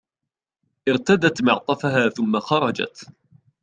ارتدت معطفها ثم خرجت.